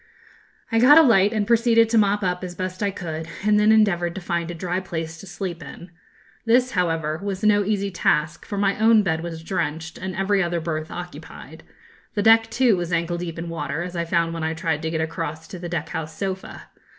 I got a light, and proceeded to mop up, as best I could, and then endeavoured to find a dry place to sleep in. This, however, was no easy task, for my own bed was drenched, and every other berth occupied. The deck, too, was ankle deep in water, as I found when I tried to get across to the deck house sofa.